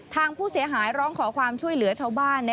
ทางผู้เสียหายร้องขอความช่วยเหลือชาวบ้าน